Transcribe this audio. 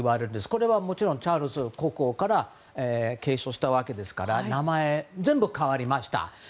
これはもちろんチャールズ国王から継承したわけですから名前、全部変わりました。